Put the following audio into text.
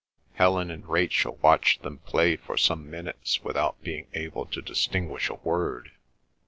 Helen and Rachel watched them play for some minutes without being able to distinguish a word.